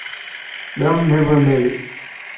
Dumm never married.